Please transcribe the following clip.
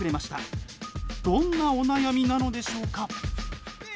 どんなお悩みなのでしょうか？